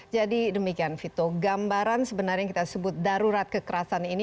jadi demikian vito gambaran sebenarnya yang kita sebut darurat kekerasan ini